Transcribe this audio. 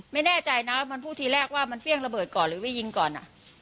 ไม่แน่ใจนะมันพูดทีแรกว่ามันเฟี่ยงระเบิดก่อนหรือไม่ยิงก่อน